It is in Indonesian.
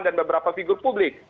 dan beberapa figur publik